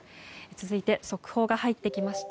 続いて速報が入ってきました。